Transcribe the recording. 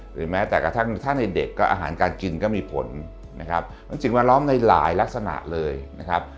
หรือแม้แต่กระทั่งถ้าในเด็กก็อาหารการกินก็มีผลนะครับมันสิ่งแวดล้อมในหลายลักษณะเลยนะครับ